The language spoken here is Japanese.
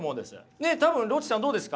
ねえ多分ロッチさんどうですか？